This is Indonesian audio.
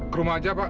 ke rumah aja pak